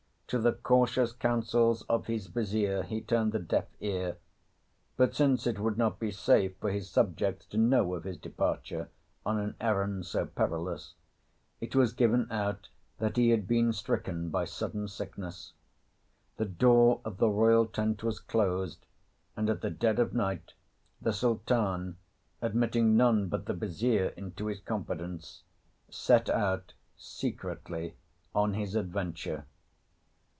To the cautious counsels of his Vizier he turned a deaf ear; but since it would not be safe for his subjects to know of his departure on an errand so perilous, it was given out that he had been stricken by sudden sickness. The door of the royal tent was closed, and at the dead of night the Sultan, admitting none but the Vizier into his confidence, set out secretly on his adventure.